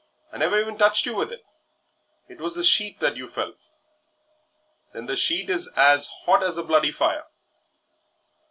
I never even touched you with it; it was the sheet that you felt." "Then the sheet is at 'ot as the bloody fire.